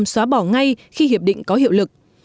và hai chín xóa bỏ ngay khi hiệp định có hiệu lực